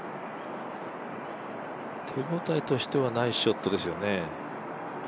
手応えとしてはナイスショットですよね。